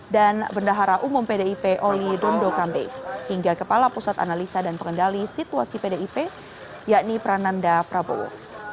dan bendahara umum pdip oli dondo kambe hingga kepala pusat analisa dan pengendali situasi pdip yakni prananda prabowo